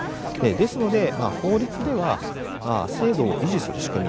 ですので法律では制度を維持する仕組み